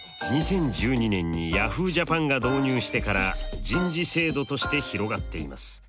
２０１２年にヤフージャパンが導入してから人事制度として広がっています。